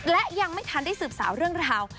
และยังไม่ทันได้สืบสาวเรื่องราว